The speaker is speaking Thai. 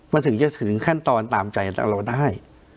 มันถึงจะถึงขั้นตอนตามใจเราได้